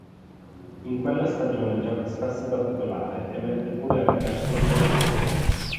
In quella stagione gioca spesso da titolare e mette pure a referto due reti.